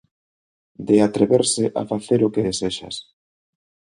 De atreverse a facer o que desexas.